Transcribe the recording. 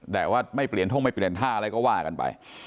แต่ว่าไม่เปลี่ยนท่องไม่เปลี่ยนท่าอะไรก็ว่ากันไป